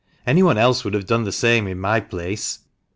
Any one else would have done the same in my place.